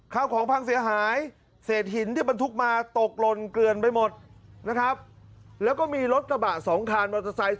ข้าวของพังเสียหายเศษหินที่บันทุกข์มาตกลนเกลือไปหมดนะครับ